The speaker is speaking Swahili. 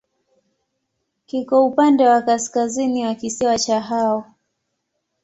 Kiko upande wa kaskazini wa kisiwa cha Hao.